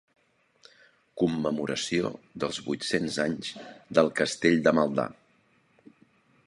Commemoració dels vuit-cents anys del castell de Maldà.